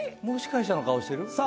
もう司会者の顔してる。